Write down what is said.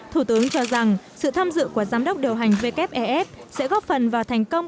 thủ tướng cho rằng sự tham dự của giám đốc điều hành wef sẽ góp phần vào thành công